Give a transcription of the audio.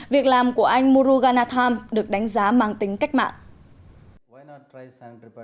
việc làm của anh muruganatham được đánh giá mang tính cách mạng